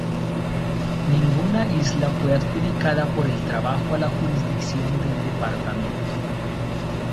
Ninguna isla fue adjudicada por el tratado a la jurisdicción del departamento.